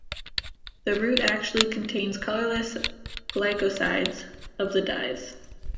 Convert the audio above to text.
The root actually contains colorless glycosides of the dyes.